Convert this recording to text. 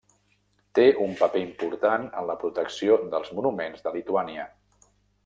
Té un paper important en la protecció dels monuments de Lituània.